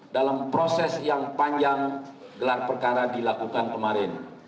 dalam proses yang panjang gelar perkara dilakukan kemarin